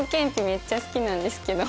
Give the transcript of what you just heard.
めっちゃ好きなんですけど。